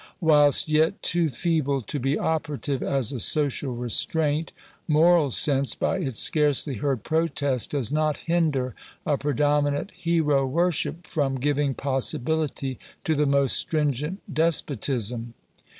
Whilst yet too feeble to . be operative as a social restraint, moral sense, by its scarcely ' heard protest, does not hinder a predominant hero worship from* giving possibility to the most stringent despotism.